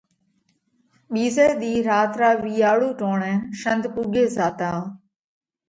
ٻِيزئہ ۮِي رات را وِيئاۯُو ٽوڻئہ شنڌ پُوڳي زاتا۔